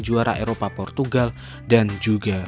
juara eropa portugal dan juga